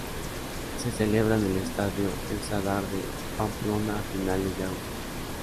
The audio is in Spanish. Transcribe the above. Se celebra en el Estadio El Sadar de Pamplona a finales de agosto.